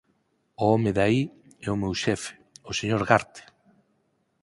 O home de aí é o meu xefe, o señor Garte!